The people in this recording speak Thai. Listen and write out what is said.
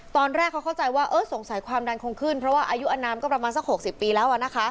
ตอนแรกเขาเข้าใจว่าสงสัยความดันคงขึ้นเพราะว่าอายุอนามก็ประมาณสัก๖๐ปีแล้ว